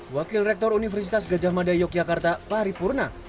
wakil rektor universitas gajah mada yogyakarta paripurna